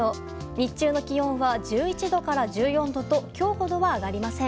日中の気温は１１度から１４度と今日ほどは上がりません。